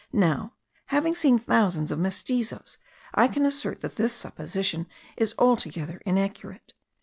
Now, having seen thousands of mestizos, I can assert that this supposition is altogether inaccurate.